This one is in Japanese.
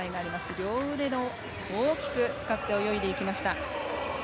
両腕を大きく使って泳いでいきました。